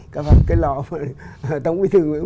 cái lò tống bí thư